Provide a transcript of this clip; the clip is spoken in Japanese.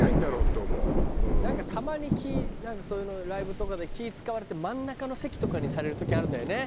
なんかたまにそういうのライブとかで気ぃ使われて真ん中の席とかにされる時あるんだよね。